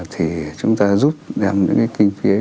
thì chúng ta giúp đem những cái kinh phí ấy